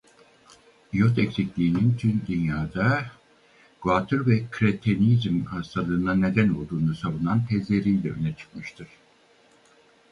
İyot eksikliğinin tüm Dünya'da guatr ve kretenizm hastalığına neden olduğunu savunan tezleriyle öne çıkmıştır.